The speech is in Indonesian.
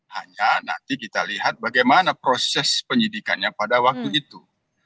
hanya nanti kita lihat bagaimana proses penyidikannya pada waktu itu